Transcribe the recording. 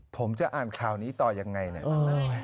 ผมจะอ่านข่าวนี้ต่อยังไงเนี่ย